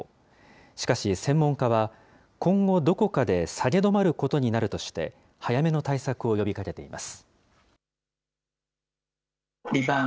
しかし、専門家は今後どこかで下げ止まることになるとして、早めの対策を呼びかけています。